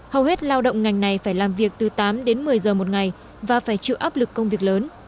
hầu hết lao động ngành này phải làm việc từ tám đến một mươi giờ một ngày và phải chịu áp lực công việc lớn